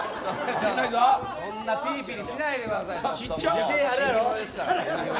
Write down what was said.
そんなピリピリしないでください。